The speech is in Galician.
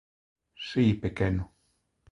Si, pequeno.